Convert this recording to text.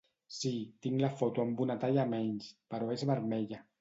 Sí, tinc la foto amb una talla menys, però és vermella.